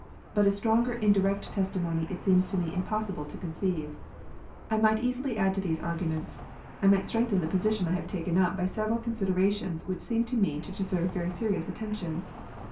But a stronger indirect testimony it seems to me impossible to conceive. I might easily add to these arguments. I might strengthen the position I have taken up by several considerations which seem to me to deserve very serious attention.